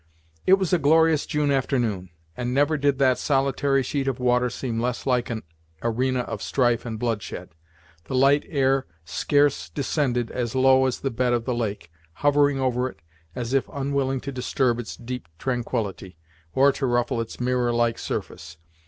It was a glorious June afternoon, and never did that solitary sheet of water seem less like an arena of strife and bloodshed. The light air scarce descended as low as the bed of the lake, hovering over it, as if unwilling to disturb its deep tranquillity, or to ruffle its mirror like surface.